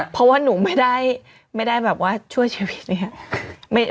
เพราะว่าหนูไม่ได้ช่วยชีวิต